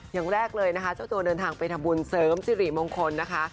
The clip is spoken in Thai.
อย่างแรกเลยนะคะเจ้าตัวเดินทางไปทำบุญเสริมสิริมงคลนะคะ